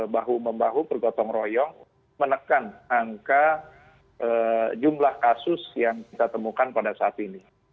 bahu membahu bergotong royong menekan angka jumlah kasus yang kita temukan pada saat ini